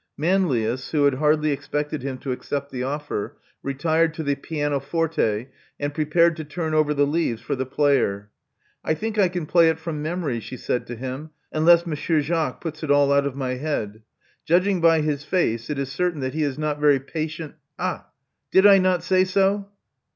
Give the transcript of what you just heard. Manlius, who had hardly expected him to accept the offer, retired to the pianoforte, and prepared to turn over the leaves for the player. I think I can play it from memory," she said to him, unless Monsieur Jacques puts it all out of my head. Judging by his face, it is certain that he is not very patien Ah! Did I not say so?